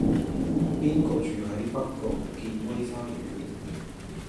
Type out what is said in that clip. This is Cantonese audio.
邊個住喺北角健威花園